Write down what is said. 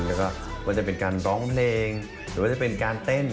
แล้วก็ว่าจะเป็นการร้องเพลงหรือว่าจะเป็นการเต้น